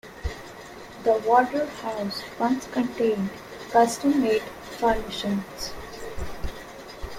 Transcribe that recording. The Warder house once contained custom-made furnishings.